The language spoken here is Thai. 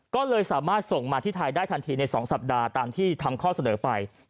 ก็เลยสามารถส่งมาที่ไทยได้ทันทีใน๒สัปดาห์ตามที่ทำข้อเสนอไป